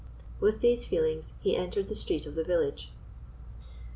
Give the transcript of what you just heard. With these feelings he entered the street of the village.